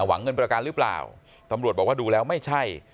หวังเงินประกันหรือเปล่าตำรวจบอกว่าดูแล้วไม่ใช่